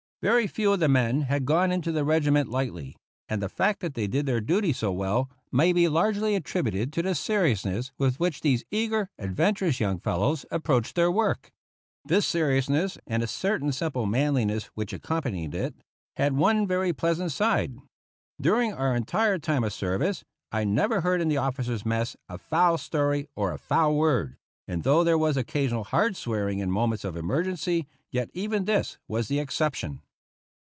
Very few of the men had gone into the regiment lightly, and the fact that they did their duty so well may be largely attributed to the seriousness with which these eager, adven turous young fellows approached their work. This seriousness, and a certain simple manliness which accompanied it, had one very pleasant side. Dur ing our entire time of service, I never heard in the officers' mess a foul story or a foul word ; and though there was occasional hard swearing in moments of emergency, yet even this was the exception.